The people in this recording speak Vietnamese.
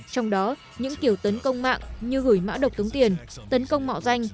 trong đó những kiểu tấn công mạng như gửi mã độc tống tiền tấn công mạo danh